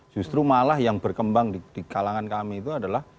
justru malah yang berkembang di kalangan kami itu adalah